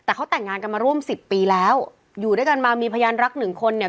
กันมาร่วมสิบปีแล้วอยู่ด้วยกันมามีพยานรักหนึ่งคนเนี่ย